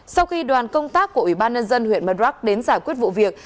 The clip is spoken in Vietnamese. sau khi đoàn công tác của ủy ban nhân dân huyện murdrock đến giải quyết vụ việc